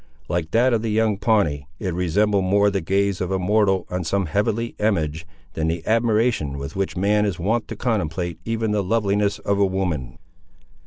Like that of the young Pawnee, it resembled more the gaze of a mortal on some heavenly image, than the admiration with which man is wont to contemplate even the loveliness of woman.